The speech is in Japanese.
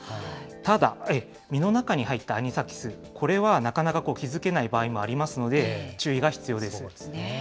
ただ身の中に入ったアニサキス、これはなかなか気付けない場合もありますので、注意が必要です。